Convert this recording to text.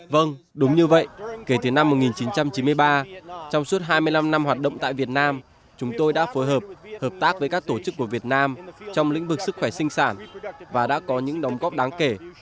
vâng đúng như vậy kể từ năm một nghìn chín trăm chín mươi ba trong suốt hai mươi năm năm hoạt động tại việt nam chúng tôi đã phối hợp hợp tác với các tổ chức của việt nam trong lĩnh vực sức khỏe sinh sản và đã có những đóng góp đáng kể